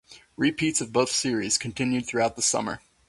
Repeats of both series continued throughout the summer.